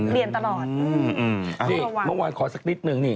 เรียนตลอดต้องระวังนี่มองวานขอสักนิดหนึ่งนี่